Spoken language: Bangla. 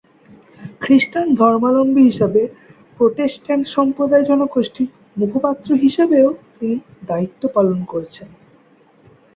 খ্রিস্টান ধর্মালম্বী হিসেবে প্রোটেস্ট্যান্ট সম্প্রদায় জনগোষ্ঠীর মুখপাত্র হিসেবেও তিনি দায়িত্ব পালন করছেন।